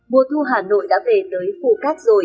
mùa thu hà nội đã về tới phù cát rồi